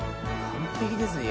完璧ですね